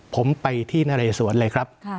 ผมไปที่นเรสวนเลยครับ